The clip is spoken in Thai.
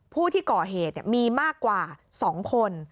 ผู้ที่ก่อเหตุมีมากกว่า๒คน